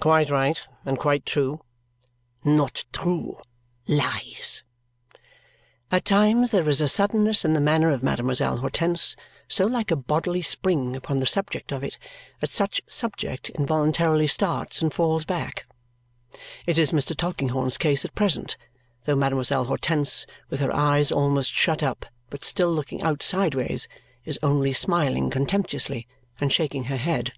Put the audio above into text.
"Quite right, and quite true." "Not true. Lies!" At times there is a suddenness in the manner of Mademoiselle Hortense so like a bodily spring upon the subject of it that such subject involuntarily starts and fails back. It is Mr. Tulkinghorn's case at present, though Mademoiselle Hortense, with her eyes almost shut up (but still looking out sideways), is only smiling contemptuously and shaking her head.